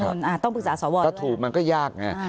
แก้รัฐมนุนต้องปรึกษาสวรถูกมันก็ยากไง